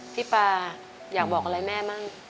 พี่ปาอยากบอกอะไรแม่มั่ง